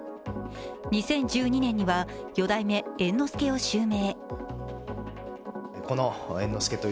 ２０１２年には四代目・猿之助を襲名。